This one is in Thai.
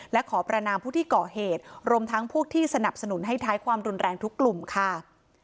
และขอประนามผู้ที่ก่อเหตุรวมทั้งผู้ที่สนับสนุนให้ท้ายความรุนแรงทุกกลุ่มค่ะ